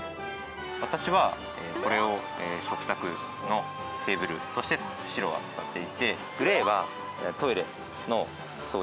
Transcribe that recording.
私はこれを食卓のテーブルとして白は使っていてグレーはトイレの掃除